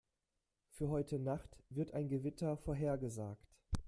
Für heute Nacht wird ein Gewitter vorhergesagt.